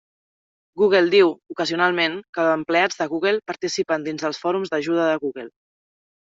Google diu, ocasionalment, que empleats de Google participen dins dels Fòrums d'Ajuda de Google.